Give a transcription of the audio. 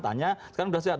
tanya sekarang sudah sehat